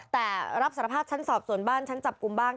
แต่รับสารภาพชั้นสอบส่วนบ้านฉันจับกลุ่มบ้าง